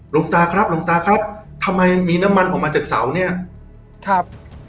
หลวงตาครับหลวงตาครับทำไมมีน้ำมันออกมาจากเสาเนี้ยครับ